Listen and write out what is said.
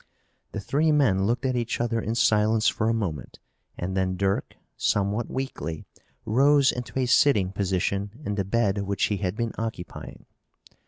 The three men looked at each other in silence for a moment and then Dirk, somewhat weakly, rose into a sitting position in the bed which he had been occupying.